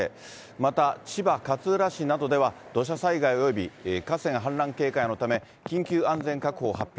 また、千葉・勝浦市などでは、土砂災害および河川氾濫警戒のため緊急安全確保を発表。